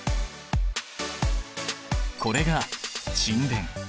これが沈殿。